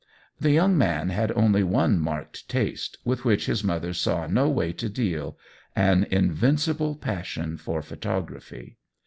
The young man had only one marked taste, with which his mother saw no way to deal — an invincible passion for photography.